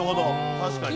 確かに。